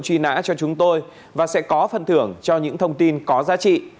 quý vị sẽ được truy nã cho chúng tôi và sẽ có phần thưởng cho những thông tin có giá trị